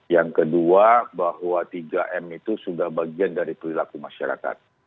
yang kedua bahwa tiga m itu sudah bagian dari perilaku masyarakat